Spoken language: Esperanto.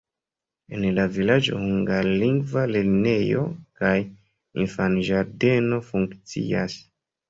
En la vilaĝo hungarlingva lernejo kaj infanĝardeno funkcias.